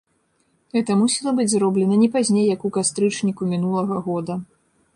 Гэта мусіла быць зроблена не пазней як у кастрычніку мінулага года.